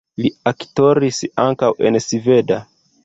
Li aktoris ankaŭ en sveda.